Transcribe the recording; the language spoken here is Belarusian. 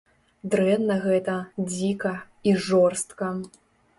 Дрэнна гэта, дзіка і жорстка.